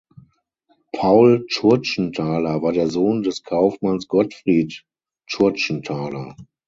Paul Tschurtschenthaler war der Sohn des Kaufmanns Gottfried Tschurtschenthaler.